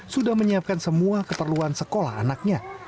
sudah menyiapkan semua keperluan sekolah anaknya